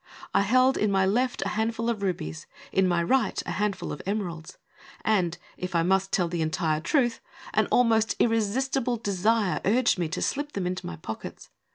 I held in my left a handful of rubies, in my right a handful of emeralds, and, if I must tell the entire truth, an almost irresistible desire urged me to slip them into my pockets.